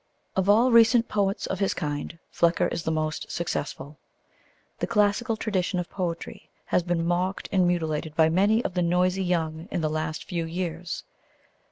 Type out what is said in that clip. Of all recent poets of his kind, Flecker is the most successful. The classical tradition of poetry has been mocked and mutilated by many of the noisy young in the last few years.